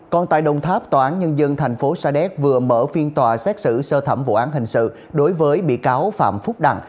còn tại đồng tháp tòa án nhân dân thành phố sa đéc vừa mở phiên tòa xét xử sơ thẩm vụ án hình sự đối với bị cáo phạm phúc đặng